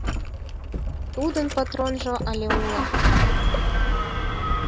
Тудын патронжо але уло.